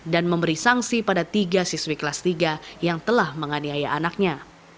dan memberi sanksi pada tiga siswi kelas tiga yang telah menganiaya anaknya